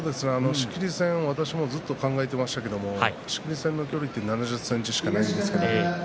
仕切り線、私もちょっと考えてましたけど仕切り線の距離は７０ｃｍしかないんです。